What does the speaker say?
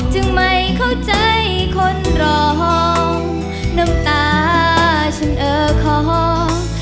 จึงไม่เข้าใจคนรองน้ำตาฉันเออของ